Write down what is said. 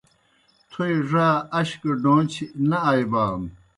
تھوئے ڙا اش گہ ڈون٘چھیْ نہ آئیبانو۔